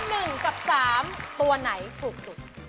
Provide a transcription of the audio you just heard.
เหลือ๑กับ๓ตัวไหนถูกสุด